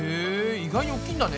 意外に大きいんだね。